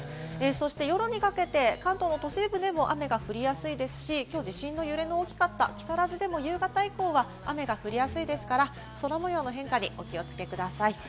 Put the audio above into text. そして夜にかけて関東の都市部でも雨が降りやすそうですし、地震の揺れが大きかった木更津でも雨が降りやすいですから、空模様の変化にお気をつけください。